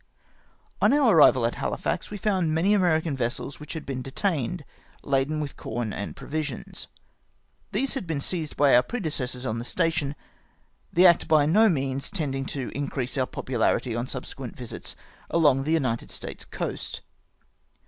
On our arrival at Hahfax we found many American vessels which had been detained, laden with corn and pro visions. These had been seized by our predecessors on the station, the act by no means tending to increase our popularity on subsequent visits along the United States coast.